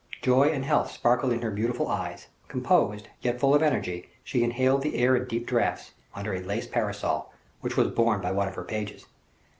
Joy and health sparkled in her beautiful eyes; composed, yet full of energy, she inhaled the air in deep draughts, under a lace parasol, which was borne by one of her pages.